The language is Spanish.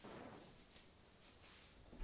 De esta manera, la banda se consolidó como un trío.